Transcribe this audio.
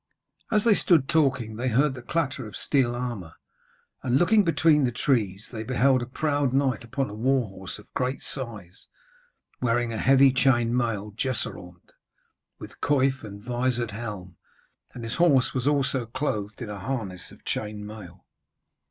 As they stood talking, they heard the clatter of steel armour, and looking between the trees, they beheld a proud knight upon a war horse of great size, wearing a heavy chain mail jesseraunt, with coif and vizored helm, and his horse was also clothed in harness of chain mail.